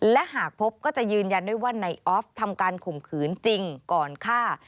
และหากพบก็จะยืนยันได้ว่านายออฟทำการข่มขืนจริงก่อนฆ่า